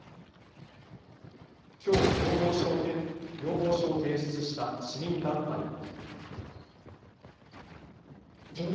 きょう要望書を提出した市民団体も。